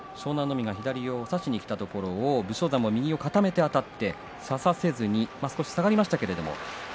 海が左に差しにいくところ武将山、右を固めてあたって差させずに少し下がりました。